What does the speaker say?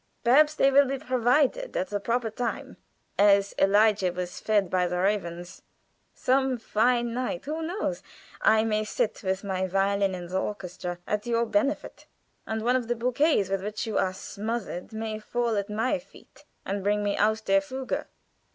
"Perhaps they will be provided at the proper time, as Elijah was fed by the ravens. Some fine night who knows I may sit with my violin in the orchestra at your benefit, and one of the bouquets with which you are smothered may fall at my feet and bring me aus der fuge.